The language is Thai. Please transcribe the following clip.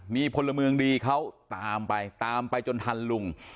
มีพลเมืองดีเขาตามไปตามไปจนทันลุง